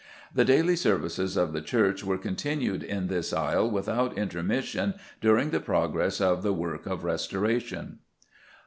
The daily services of the church were continued in this aisle without intermission during the progress of the work of restoration.